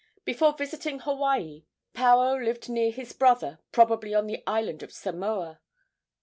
Before visiting Hawaii, Paao lived near his brother, probably on the island of Samoa.